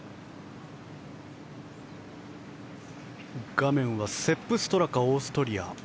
画面はセップ・ストラカオーストリア。